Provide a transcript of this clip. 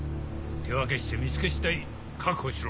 手分けして見つけ次第確保しろ。